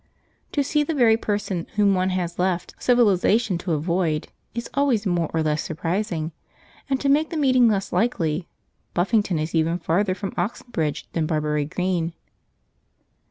To see the very person whom one has left civilisation to avoid is always more or less surprising, and to make the meeting less likely, Buffington is even farther from Oxenbridge than Barbury Green.